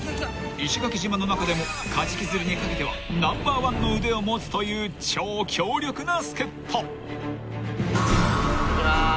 ［石垣島の中でもカジキ釣りにかけてはナンバーワンの腕を持つという超強力な助っ人］いってきます。